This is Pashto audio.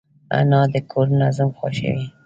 انا د کور نظم خوښوي